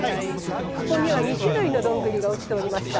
ここには２種類のどんぐりが落ちておりました。